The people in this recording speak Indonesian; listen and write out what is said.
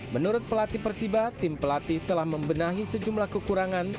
menurut pelatih persiba tim pelatih telah membenahi sejumlah kekurangan